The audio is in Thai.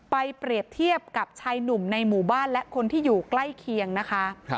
เปรียบเทียบกับชายหนุ่มในหมู่บ้านและคนที่อยู่ใกล้เคียงนะคะ